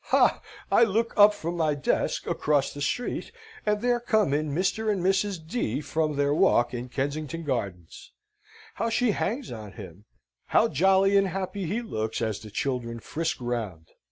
Ha! I look up from my desk, across the street: and there come in Mr. and Mrs. D. from their walk in Kensington Gardens. How she hangs on him! how jolly and happy he looks, as the children frisk round!